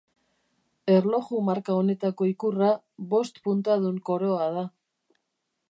Erloju marka honetako ikurra bost puntadun koroa da.